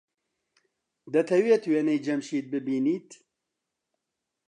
دەتەوێت وێنەی جەمشید ببینیت؟